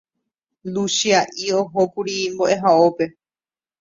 Luchia'i ohókuri mbo'ehaópe